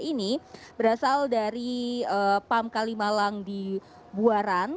ini berasal dari pam kalimalang di buaran